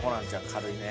軽いね。